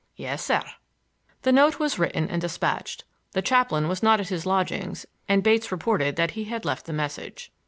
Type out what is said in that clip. "Yes, sir." The note was written and despatched. The chaplain was not at his lodgings, and Bates reported that he had left the message.